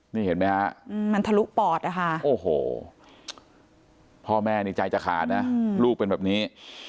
นี่เห็นไหมครับโอ้โหพ่อแม่นี่ใจจากคาดนะลูกเป็นแบบนี้